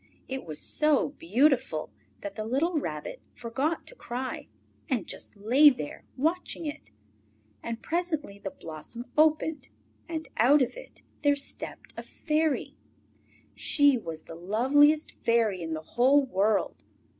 It was so beautiful that the little Rabbit forgot to cry, and just lay there watching it. And presently the blossom opened, and out of it there stepped a fairy. She was quite the loveliest fairy in the whole world.